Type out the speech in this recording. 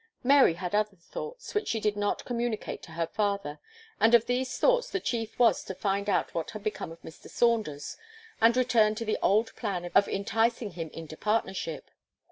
Mary had other thoughts, which she did not communicate to her father; and of these thoughts, the chief was to find out what had become of Mr. Saunders, and return to the old plan of enticing him into partnership.